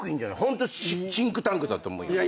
ホントシンクタンクだと思う。